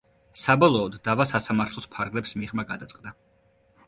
საბოლოოდ, დავა სასამართლოს ფარგლებს მიღმა გადაწყდა.